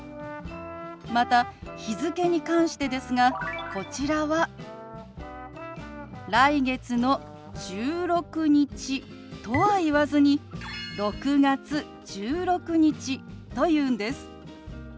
また日付に関してですがこちらは「来月の１６日」とは言わずに「６月１６日」と言うんです。